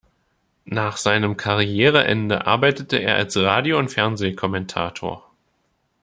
Nach seinem Karriereende arbeitete er als Radio- und Fernsehkommentator.